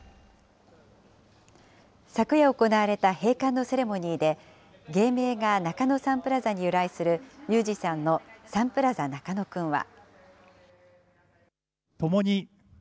昨夜行われた閉館のセレモニーで、芸名が中野サンプラザに由来する、ミュージシャンのサンプラザ中野くんは。